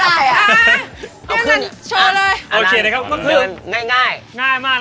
ง่ายแย่แล้วครับ